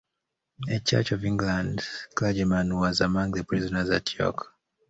A Church of England clergyman was among the prisoners at York.